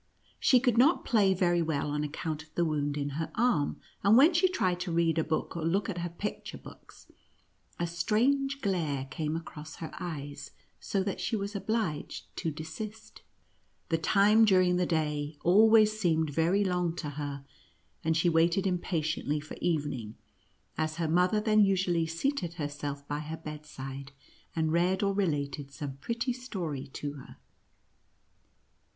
She could not play very well on account of the wound in her arm, and when she tried to read or look at her pic ture books, a strange glare came across her eyes, so that she was obliged to desist. The time, during the day, always seemed very long to her, and she waited impatiently for evening, as her mother then usually seated herself by her bedside, and read or related some pretty story to her.